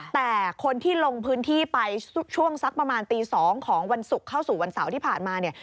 แต่คนที่ลงพื้นที่ไปช่วงสักประมาณตี๒ของวันศุกร์เข้าสู่วันเสาร์ที่ผ่านมาเนี่ย